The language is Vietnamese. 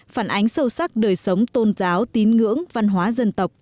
phản ánh sâu sắc đời sống tôn giáo tín ngưỡng văn hóa dân tộc